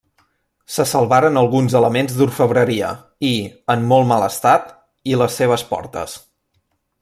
Se salvaren alguns elements d'orfebreria i, en molt mal estat i les seves portes.